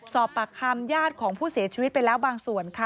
สอบปากคำญาติของผู้เสียชีวิตไปแล้วบางส่วนค่ะ